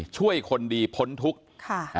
ช่วยคนดีพ้นทุกข์ค่ะ